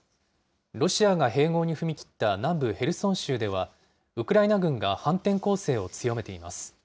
ロシアが併合に踏み切った南部ヘルソン州では、ウクライナ軍が反転攻勢を強めています。